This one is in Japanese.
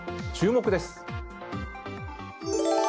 注目です。